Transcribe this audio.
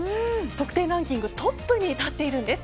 得点ランキングトップに立っているんです。